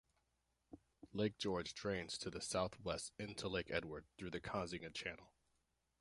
Lake George drains to the southwest into Lake Edward through the Kazinga Channel.